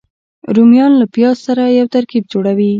رومیان له پیاز سره یو ترکیب جوړوي